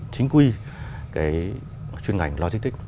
chính quy chuyên ngành lôi stick